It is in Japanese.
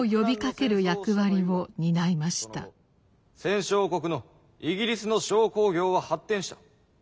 戦勝国のイギリスの商工業は発展した。